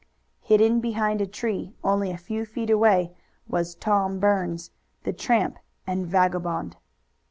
Hidden behind a tree only a few feet away was Tom Burns, the tramp and vagabond.